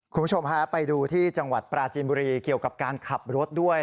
คุณผู้ชมฮะไปดูที่จังหวัดปราจีนบุรีเกี่ยวกับการขับรถด้วย